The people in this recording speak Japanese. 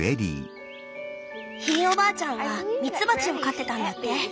ひいおばあちゃんはミツバチを飼ってたんだって。